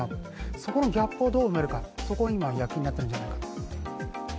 そこのギャップをどう埋めるか、そこを今、躍起になってるんじゃないかと思います。